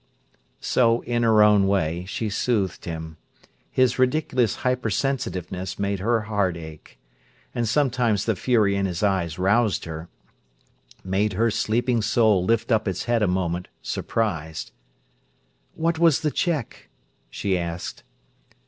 So, in her own way, she soothed him. His ridiculous hypersensitiveness made her heart ache. And sometimes the fury in his eyes roused her, made her sleeping soul lift up its head a moment, surprised. "What was the cheque?" she asked.